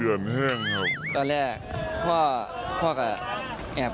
ตอนแรกพ่อก็แอบ